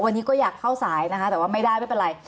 วันนี้ก็อยากเข้าสายนะคะแต่ว่าไม่ได้ไม่เป็นไร